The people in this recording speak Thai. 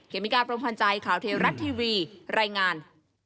เมกาพรมพันธ์ใจข่าวเทวรัฐทีวีรายงาน